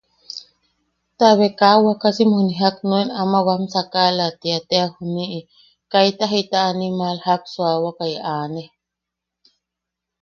Tabe kaa wakasim juni jak nuen ama wam sakala tia tea junii, kaita jita animal jak suawakai aane.